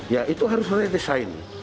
ya itu harus redesain